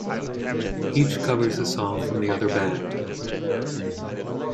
Each covers a song from the other band.